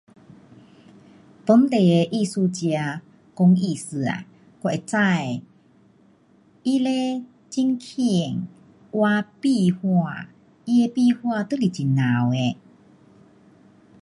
本地的艺术家，公义师啊？我会知，他嘞很棒画壁画，他的壁画都是很美的。